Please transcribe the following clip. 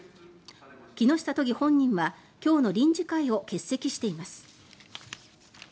木下都議本人は今日の臨時会を欠席しています。